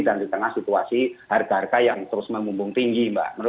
dan di tengah situasi harga harga yang terus mengumbung tinggi